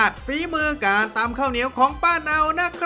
ยอดมนุษย์บ้า